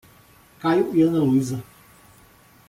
Caio e Ana Luiza